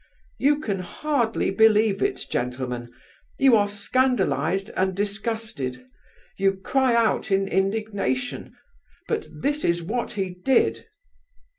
You can hardly believe it, gentlemen! You are scandalized and disgusted; you cry out in indignation! But that is what he did!